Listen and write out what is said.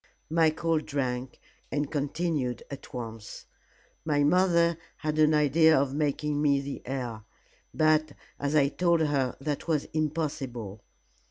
Michael drank, and continued at once. "My mother had an idea of making me the heir. But, as I told her, that was impossible.